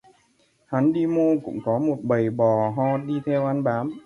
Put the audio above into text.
Hắn đi mô cũng có một bầy bò ho đi theo ăn bám